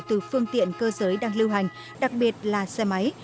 từ phương tiện cơ giới đang lưu hành đặc biệt là xe máy